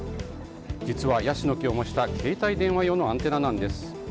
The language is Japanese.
実はヤシの木を模した携帯電話用のアンテナなんです。